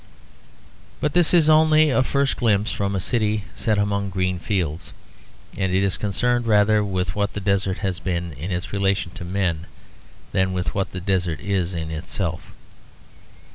But this is only a first glimpse from a city set among green fields; and is concerned rather with what the desert has been in its relation to men than with what the desert is in itself.